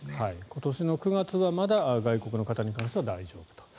今年の９月はまだ外国の方に関しては大丈夫と。